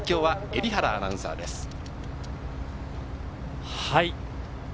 実況は蛯原アナウンサーです。